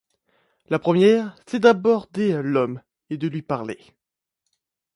La première, c'est d'aborder l'homme et de lui parler.